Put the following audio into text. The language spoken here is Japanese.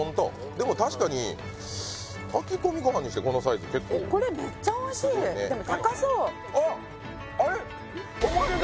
でも確かに炊き込みご飯にしてこのサイズ結構すごいねえっこれめっちゃおいしいでも高そうあっあれ？